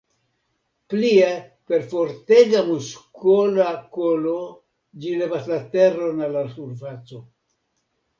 Plie, per fortega muskola kolo ĝi levas la teron al la surfaco.